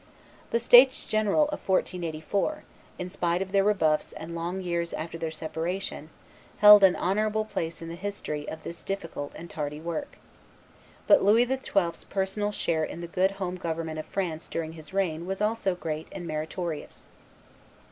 The states general of 1484, in spite of their rebuffs and long years after their separation, held an honorable place in the history of this difficult and tardy work; but Louis XII.'s personal share in the good home government of France during his reign was also great and meritorious.